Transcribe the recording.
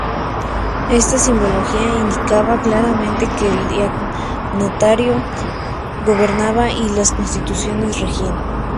Esta simbología indicaba claramente que el dignatario gobernaba y las constituciones regían.